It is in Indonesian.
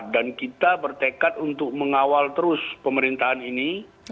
dan kita bertekad untuk mengawal terus pemerintahan ini